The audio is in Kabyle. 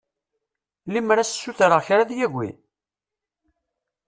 Lemmer ad s-ssutreɣ kra ad yagi?